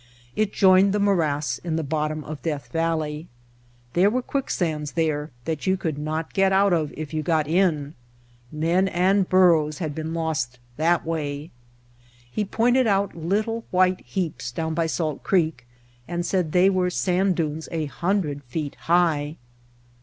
It joined the morass in the bottom of Death Valley. There were quicksands there, that you could not get out of if you got in. Men and burros had been lost that way. He pointed out little, white heaps down by Salt Creek and said they were sand dunes a hundred feet high.